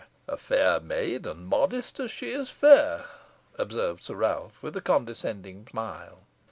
"A fair maid, and modest as she is fair," observed Sir Ralph, with a condescending smile.